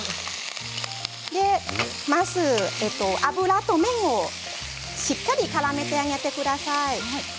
まず、油と麺をしっかりとからめてあげてください。